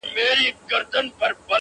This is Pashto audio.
چي لاد هغې بيوفا پر كلي شپـه تېــروم!!